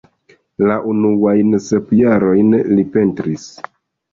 La unuajn sep jarojn li pentris.